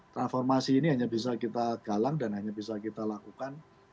transformasi ini hanya bisa kita galang dan hanya bisa kita lakukan